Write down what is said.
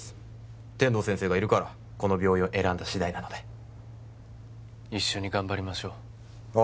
天堂先生がいるからこの病院を選んだしだいなので一緒に頑張りましょうあっ